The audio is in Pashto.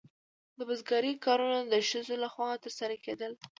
د بزګرۍ کارونه د ښځو لخوا ترسره کیدل.